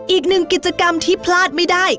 อีกหนึ่งกิจกรรมที่พลาดไม่ได้